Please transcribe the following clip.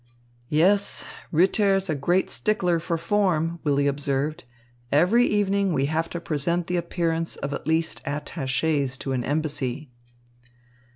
"Yes, Ritter's a great stickler for form," Willy observed. "Every evening we have to present the appearance of at least attachés to an embassy."